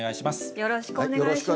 よろしくお願いします。